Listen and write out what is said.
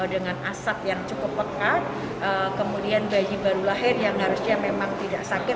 dengan asap yang cukup pekat kemudian bayi baru lahir yang harusnya memang tidak sakit